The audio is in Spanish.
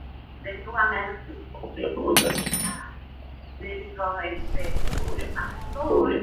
Cuando se ejecuta una acción se obtienen inmediatamente los resultados de dicha acción.